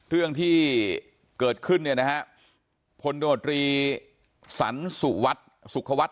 เรื่องที่เกิดขึ้นเนี่ยนะฮะพลโดรีสรรสุวัสดิ์สุขวัฒน